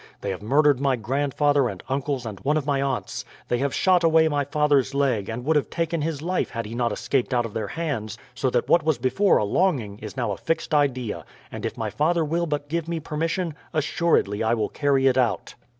They have murdered my grandfather and uncles and one of my aunts; they have shot away my father's leg, and would have taken his life had he not escaped out of their hands; so that what was before a longing is now a fixed idea, and if my father will but give me permission, assuredly I will carry it out.